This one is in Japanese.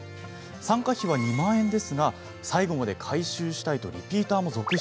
参加費は２万円ですが最後まで改修したいとリピーターも続出。